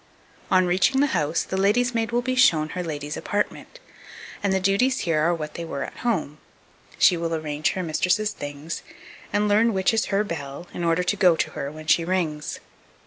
2280. On reaching the house, the lady's maid will be shown her lady's apartment; and her duties here are what they were at home; she will arrange her mistress's things, and learn which is her bell, in order to go to her when she rings.